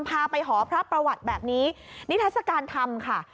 พาไปหอพระประวัติแบบนี้นิทัศกาลธรรมค่ะ